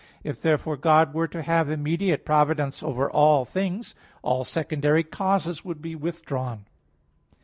If therefore God were to have immediate providence over all things, all secondary causes would be withdrawn.